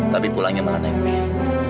tapi pulangnya malah naik bis